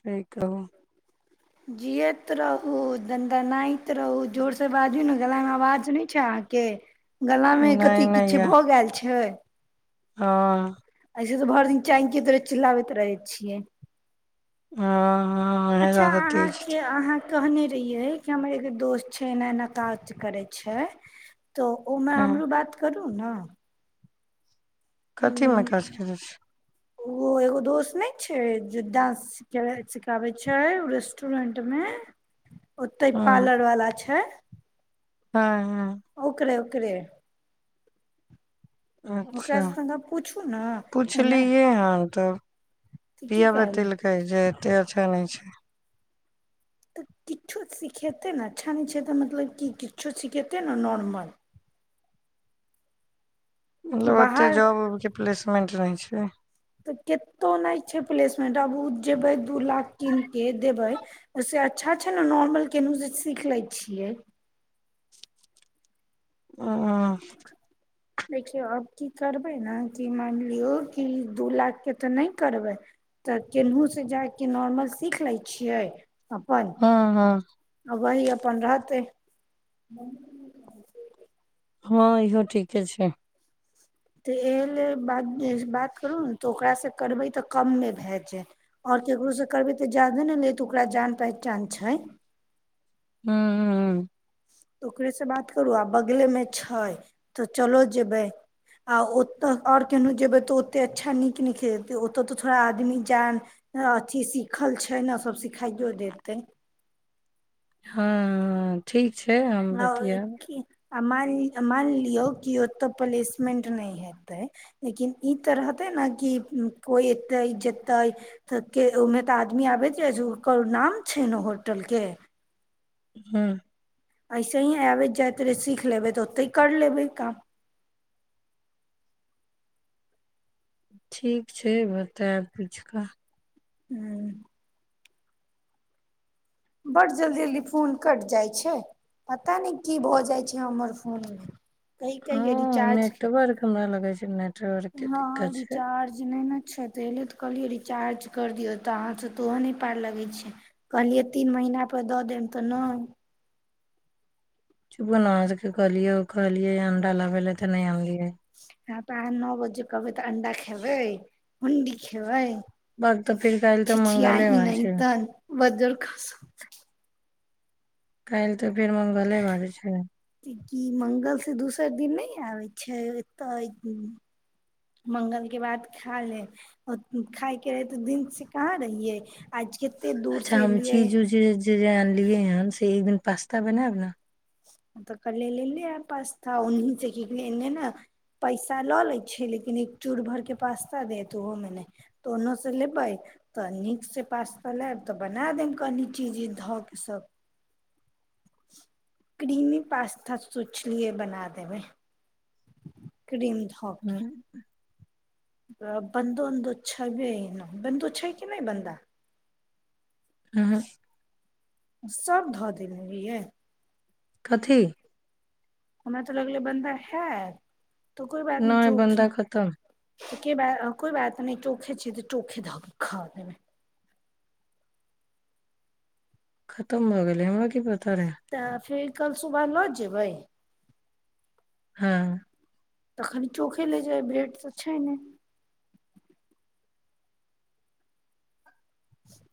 Feke कहू जियैत रहू दन्दनाइत रहू जोर से बाजू ने गलामे आवाज नहि छै अहाँके गलामे नहि कथी किछु नहि छै य भऽ गेल छै हँ ऐसे त भरि दिन चाइिय तोरे चिललाबैत रहै छियै आ अ अच्छा जााद त अहाँके अहाँ कहने रहिये कि हमर एगो दोस्त छै एना एना काज करे छै त ओमे हँ हमरू बात करू ने कथीमे काज करै छी ओ एगो दोस्त नहि छै जे डांस सिखाबै छै ओ रेस्टोरेंटमे ओते हँ पार्लर वाला छै हँ ओकरे के अच्छा एना पुछलियै हन तब तऽ की पिया कहल बतेलकै जे एतेक अच्छा नहि छै तऽ किछो सिखेतै ने अच्छा नहि छै तऽ मतलब कि किछो सिखेतै ने नॉर्मल मतलब ओते बाहर जॉब उब के प्लेसमेंट नहि अचछा तऽ कतेक नहि छै प्लेसमेंट आब ओ जयबै दू लाख कीनि कऽ देबै ओहिसँ अच्छा छै ने नॉर्मल केनूँसँ सीख लै छियै ओ देखियौ आब की करबै ने कि मानि लियौ कि दू लाखके तऽ नहि करबै तऽ केनहु से जा कऽ नॉर्मल सीख लै छियै अपन हँ आ वही अपन रहतै ह हँ इहो ठीके छै तऽ एहि ल बात बात करू ने तऽ ओकरासँ करबै तऽ कम नहि भए जाय आओर ककरोसँ करबै तऽ जाादे ने ल तऽ ओकरा जान पहचान छै हू ह ह त ओकरेसँ बात करू आ बगलेमे छै तऽ चलो जेयबै आ ओतऽ आओर केनहु जेयबै तऽ ओतेक अच्छा नीक निकतै ओतय तऽ थोड़ा आदमी जान अथी सिखल छै ने सभ सिखाइयो देतै हँ ठीक छै हम हँ बतआब की आ मान मान लियौ कि ओतय प्लेसमेंट नहि हेतै लेकिन ई त रहतै ने कि कोइ एयतै जेतै त के ओहिमे तऽ आदमी आबैत जाइ छै ओकर नाम छै ने होटलके। हँ। ऐसे ही आबैत जाइत रहै सीख लेबै त ओतहि कर लेबै काम। ठीक छै बतायब पूछ क। ह्म। बड्ड जल्दी जल्दी फोन कटि जाइ छै पता नहि की भ जाइ छै हमर फोन मे। कहि ह कहिये रिचार्ज नेटवर्क न लगै छै। च हँ रिचार्ज ने। अच्छा त एलै त कहलियै रिचार्ज कर दियौ त अहाँ से त ओहो नहि पार लगैत छै। कहलियै तीन महीना। कल द देम त न। चुपन कहलिये ओ कहलै अंडा लब ले ते नहि अविअ। ह। प नओ बजे कबै। त अंडा खेबै। हुंडी खेबै। बात तऽ फेर काल्हि तऽ चीची आी मंगलेवार नहि छै त बजर ख। क। त फेर मंगले बार छै। कि मंगल दोसर दिन नहि आबै छै ए मंगल के बाद खा ले खाायके रहै त दिन से कहाँ रहियै। आज कते दूर अच्छा से हम एलियै चीज उऊज जे जानलियए है से एक दिन। पास्ता बनाब ने। त कलिये लेले आयब पास्ता ओहीसँ की कहलियै एन्ने ने पैसा ल लैत छै लेकिन एक चूर भर क पास्ता देत ओहोमे नहि त ओन्नसँ लेबै त नीकसँ पास्ता लेब त बना देब कनि चीज धऽ क सभ। क्रीमी पास्ता सोचलिए बना देबै क्रीम। हँ। त बन्दो अ छैबे बन्दो छै कि नहि बन्दा। हँ। सभ ध देने रहियै। कथी। हमरा त लगले बंबई है। तो कोई बात न नहि चोखी बन्दा खतम त क ब। कोई बात नहि टोखे छै त टोखे ध खा देब। खतम भ गेलै हमरा। की पता रहै। कल सुबह न जेबै। हँ। तखनि चोखे ले जाइ ब्रेड छै नहि।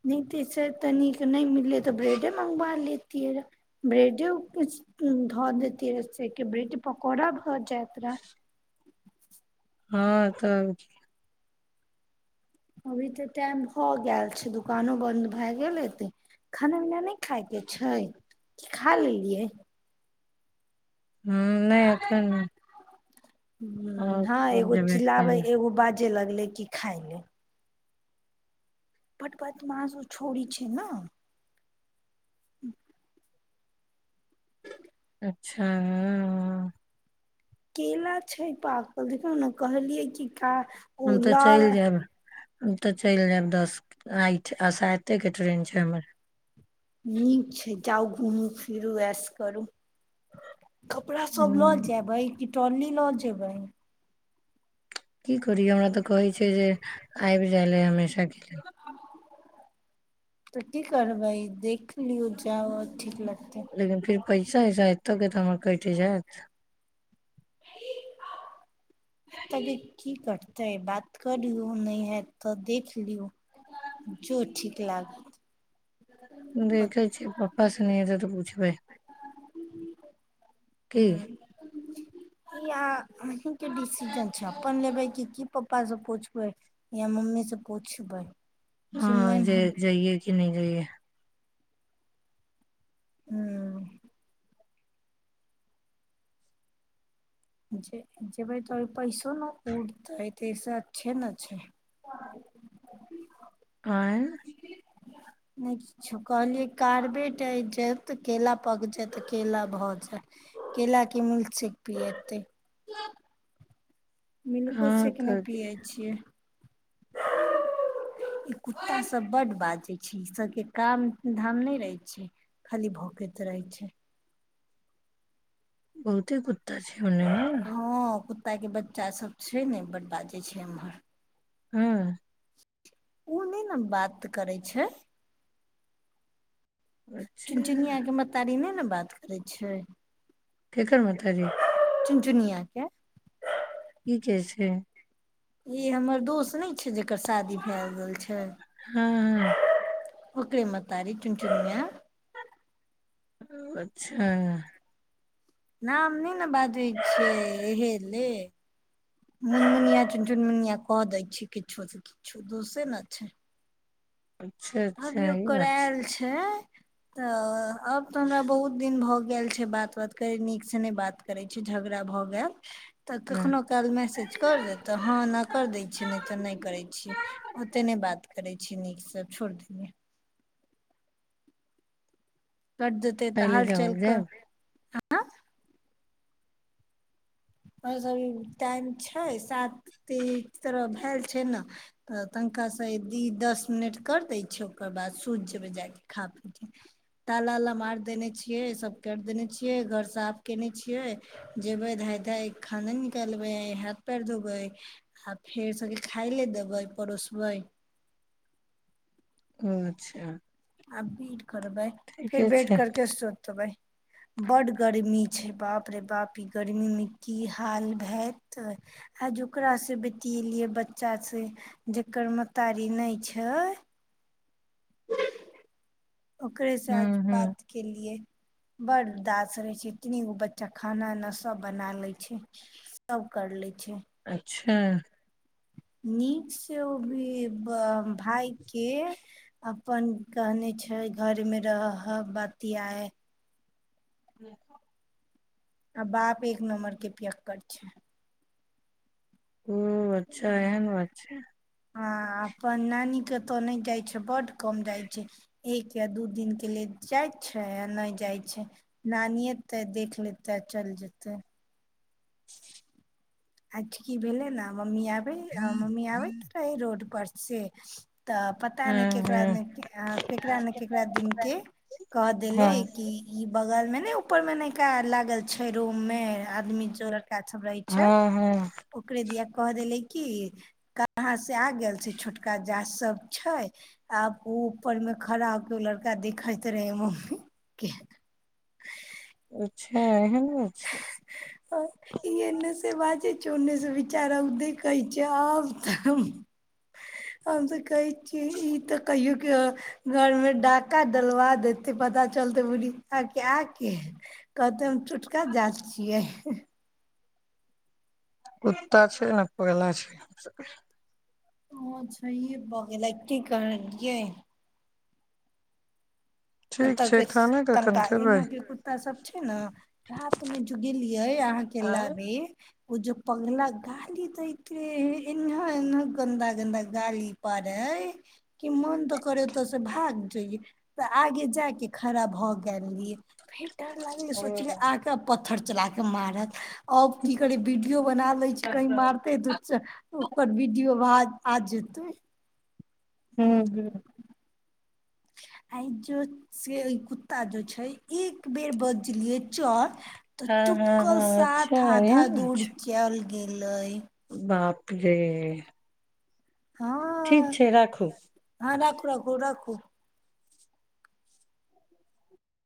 नहि तस तनिक नहि मिललै त ब्रेडे मंगवा लेती रह ब्रेडेछ धऽ देती र ब्रेड पकोड़ा। त जााता हँ त छै अभी तऽ टाइम भऽ गेल छै दुकानो बंन्द भए गेल एेते खाना पीना नहि खाायके छै खा लेलियै ह नहि ओत नहि ह हँ एगो खाय चिललाब लए एगो बाज जे लगल किी खइ ने पटपथ मस छोड़ छै ने अच्छा ह केला छै पाकल देखहु ने कहलियै कि का ओ हम तऽ लऽ चलि जायब हम तऽ चलि जायब दस आठि आसातेके ट्रेन छै हमर नीक छै जाउ घूमू फिरू स करू कपड़ा सब लऽ हमर जेबै टोनी लऽ जेबै की करी हमरा तऽ कहै छै जे आइ जाइले हमेशाके [unintelligible] तऽ की करबै देख लिौ जाउ ठीक लगत लेकिन फिर पैसा ैसा एतौ के तऽ हमर कटि जायत तभी की करतै बात करियौ नहि हयत तऽ देख लियौ जो ठीक लाग देखै छी पप्पा सेनि त तऽ पुछबै की इ अहीं के डिसीजन छै अपन लेबै क की पप्पा से पूछबै या मम्मी से पूछबै जे हँ मेन हैत जइए कि नहि जइए ह्म जे जे भइ त पैसो नहि उऊड़तै त सा छै ने छै ह आ नहि किछो कहलियै कार्बेट आ जायत तऽ केेला पक जायत केला भऽ जायत का के मूल से पियतै मिलको छै हँ कि नहि तऽ पियै छियै ई कुत्ता सब ब्ड बाजै छै ई सबके काम धाम नहि रहै छै खाली भोकैत रहै छै बहुते कुछ थी हो ने क के बच्चा सब छै ने बड्ड बाजै छै एम्हर हँ ओ नहि ने बात करै छै चुनचुनी अच्छा आके बताारी ने बात करै छै ककर मतााजी। दुनिया क्य। ई कैसे। ई हमर दोस्त न। जकर शादी भए गेल छै। हँ ओकररीे म तारी चुन चुन। अच्छा। नाम नहि ने बाजै छियै एहे ले मुनमुनिया चुन चुनमुनिया कहऽ दै छियै किछो से किछो दोसे ने छै। अच्छा अच्छा अभियो ई कर बात आल छै त। आब तऽ हमरा बहुत दिन भऽ गेल। गेल छै बात वात कर नीक से नहि बात करै छै झगड़ा भऽ गेल। तऽ हँ कखनो काल मैसेज कर देत हँ एना कर देय छिये नहि ते नहि करे छीियै ओते नहि बात करे छी। नीक सब छोड़ दऐ कट देतै तऽ काल्हि जाउ हालचालके। जायब आ टाइम छै सात त तरह भेल छै ने तऽ तनाँ दस मिनट कर दै छैिय ओकर बाद सुूति जेबै जा खा पी तालााला मार देने छियै सभ करि देने छियै घर साफ केने छियै जेबै ध। खाना निकालबे हाथ पैर धोबै आ फेर सबके खाय ले देबै परोसबै। ओ अच्छा। आबी। करबै फिर ठीके बैठ छै करके सोतबै बड गर्मी छैे बाप रे बाप ई गर्मीमे की हाल हत आज ओकास से बतिियएलियै बच्चा से जकर महतारी नहि छै। ओकरे हूँ साथ हूँ बात केलिए। बड़ उदास रहे छै एतनी गो बच्चा खाना उना सब बना ले छै सब कर ले छै। अच्छा। नीकसँ ओ भी भाय के अपन कहने छै घरमे रह बतियाए ह आ बाप एक नमबर के पक्कड़ छै। ओ अच्छा एह ने ब छै। ह अपन नानी के तऽ नहि जाइ छै बड्ड कम जाइ छै एक या दू दििन के लेल जाइत छै आ नहि जाइ छै नानिते देख लेतै आ चलि जेतै [unintelligible] आज की भेले ने मम्मी आ। भ मम्मी आबैत रहे रोड पर से। तऽ पता ने हँ केकरा हँ ने केकरा ने केकरा दिन के कह देले हँ कि ई बगल मे। ऊपर में नयका लागल छै रुम में आदमी जो। कथ रहै छै हँ हँ ओके दििय कह देेलै की कहाँ से आ गेल छी छोटका सब छै आब ओ ऊपर मे खड़ा हो के लड़का देखैत रहे मम्मी के। अच्छा एहन बात छै चोड़ने से विचार औदे कहै छिय आब तऽ हम त कहै छीिय ई तऽ कहियो के घर मे डाका डलवा देते पता चलते बुढ़ी आ के कहते चुटका जाच छियै। कुत्ता छै ने पगला छै। ओच्छा य बऽ गेल की करियै ठीक एत छै के खाना कखन तना खेबै एना के कुत्ता सब छै ने राथ मे जो गेलियै अहाँके आँय लाबे ओ जेो पगला गाली दैत रहेे एना एना गन्दा गन्दा गाली पर हे कि मोन तऽ करे ओतऽ से भाग जोये आगे जायके खड़ा भऽ गेल री। फेर डर लागलै हूँ सोचलीै आके पत्थर चला के मारत। आब की करे वीडियो बना ले छै कही मारते तो ओकर वीडियो भा आ जत। ह्म ह। आइ जो से कुत्ता जो छै एक बेर बजलियै चर तऽ हँ हँ चुपकल हँ अच्छा साथ आधा दूड़ चल। गेलै। बापरे हँ हँ रखु रखु रखु।